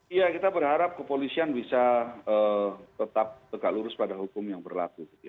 iya kita berharap kepolisian bisa tetap tegak lurus pada hukum yang berlaku